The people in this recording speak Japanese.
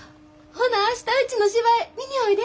ほな明日うちの芝居見においで。